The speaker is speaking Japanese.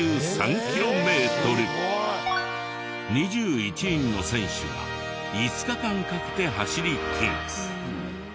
２１人の選手が５日間かけて走りきります。